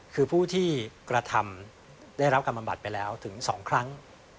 คือผู้ที่กระทำได้รับการบำบัดไปแล้วถึง๒ครั้ง